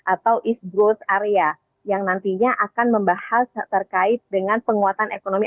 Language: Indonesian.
atau east growth area yang nantinya akan membahas terkait dengan penguatan ekonomi